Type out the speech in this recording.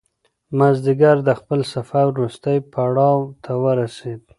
مازیګر د خپل سفر وروستي پړاو ته ورسېد.